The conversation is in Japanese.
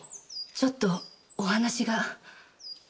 ちょっとお話が。